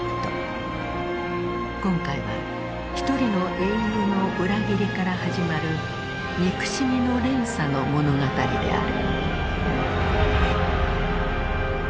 今回は一人の英雄の裏切りから始まる憎しみの連鎖の物語である。